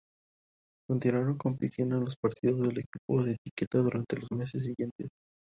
Continuaron compitiendo en los partidos del equipo de etiqueta durante los meses siguientes.